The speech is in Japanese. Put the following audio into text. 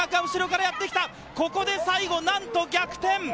ここで最後なんと逆転！